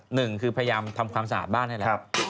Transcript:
หนึ่งคือพยายามทำความสะอาดบ้านนี่แหละ